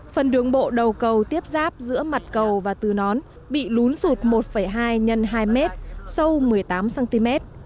phần đường bộ đầu cầu tiếp ráp giữa mặt cầu và tư nón bị lún sụt một hai x hai mét sâu một mươi tám cm